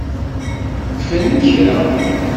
Fren kra.